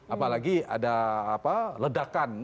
apalagi ada ledakan